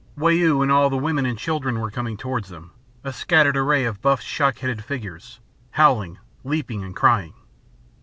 Wau and all the women and children were coming towards them, a scattered array of buff shock headed figures, howling, leaping, and crying.